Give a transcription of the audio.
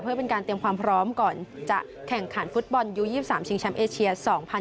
เพื่อเป็นการเตรียมความพร้อมก่อนจะแข่งขันฟุตบอลยู๒๓ชิงแชมป์เอเชีย๒๐๑๖